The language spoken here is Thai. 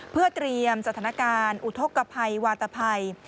เพื่อเตรียมสถานการณ์อุทธกภัยวาตภัย